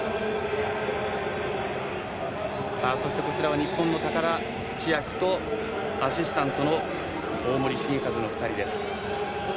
そして、こちら日本の高田千明とアシスタントの大森盛一の２人です。